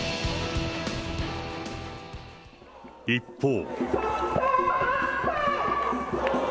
一方。